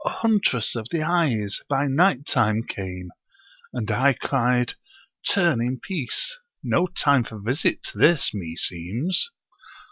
A Huntress of the eyes, by night time came; and I cried, "Turn in peace! No time for visit this, meseems."'